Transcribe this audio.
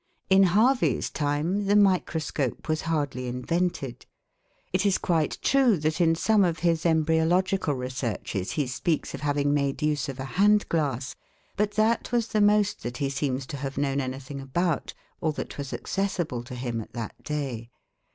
In Harvey's time, the microscope was hardly invented. It is quite true that in some of his embryological researches he speaks of having made use of a hand glass; but that was the most that he seems to have known anything about, or that was accessible to him at that day.